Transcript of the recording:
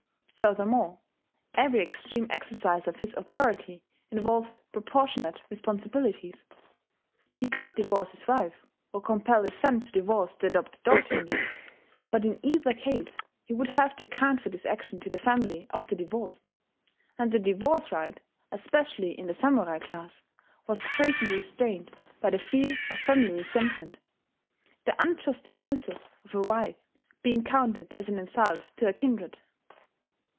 Furthermore, every extreme exercise of his authority involved proportionate responsibilities. He could divorce his wife, or compel his son to divorce the adopted daughter in law; but in either case he would have to account for this action to the family of the divorced; and the divorce right, especially in the samurai class, was greatly restrained by the fear of family resentment; the unjust dismissal of a wife being counted as an insult to her kindred.